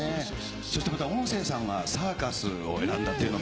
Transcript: そしてまた音声さんがサーカスを選んだっていうのも。